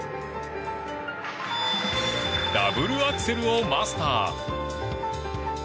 ダブルアクセルをマスター。